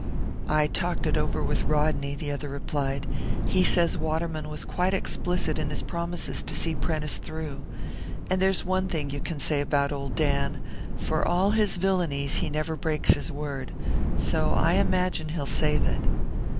"I talked it over with Rodney," the other replied. "He says Waterman was quite explicit in his promises to see Prentice through. And there's one thing you can say about old Dan for all his villainies, he never breaks his word. So I imagine he'll save it."